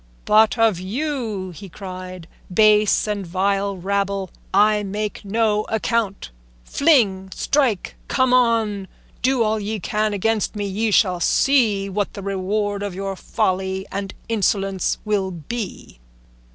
"But of you," he cried, "base and vile rabble, I make no account; fling, strike, come on, do all ye can against me, ye shall see what the reward of your folly and insolence will be."